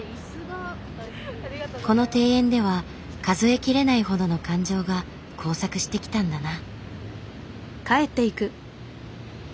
この庭園では数え切れないほどの感情が交錯してきたんだな。